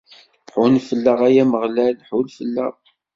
Ḥunn fell-aɣ, ay Ameɣlal, ḥunn fell-aɣ!